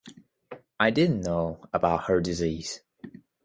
I didn’t know about her disease.